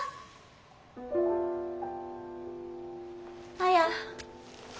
綾。